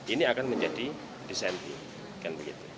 ini akan menjadi dissenting kan begitu